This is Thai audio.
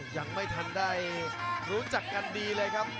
ยังไม่ทันได้รู้จักกันดีเลยครับ